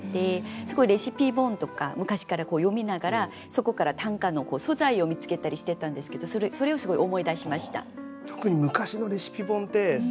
すごいレシピ本とか昔から読みながらそこから短歌の素材を見つけたりしてたんですけどそれをすごい思い出しました。